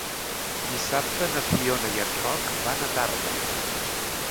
Dissabte na Fiona i en Roc van a Tàrbena.